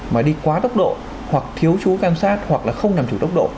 mà đi quá tốc độ hoặc thiếu chú quan sát hoặc là không làm chủ tốc độ